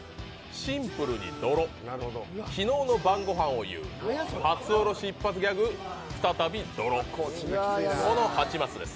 シンプルに泥昨日の晩ご飯を言う初おろし一発ギャグ再び泥です。